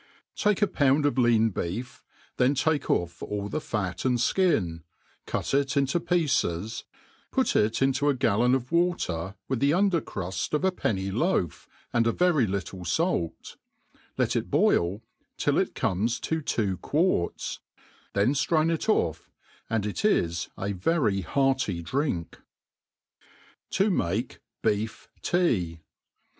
« TAKE a pound of lean beef; then take off all the fat and (kin, cut it into pieces, putit into a gallon of water, with the under cruft of a penny loaf, and a very little fait* Let it boil till it comes to two quarts ; then ftrainit off, and it is a very ' hearty drink. To make Beef Tea.